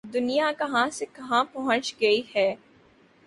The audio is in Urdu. دنیا کہاں پہنچ گئی ہے۔